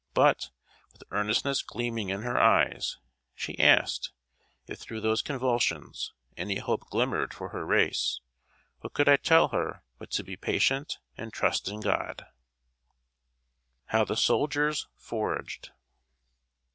But when, with earnestness gleaming in her eyes, she asked, if, through these convulsions, any hope glimmered for her race, what could I tell her but to be patient, and trust in God? [Sidenote: HOW THE SOLDIERS FORAGED.